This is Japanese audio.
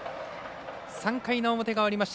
３回の表が終わりました。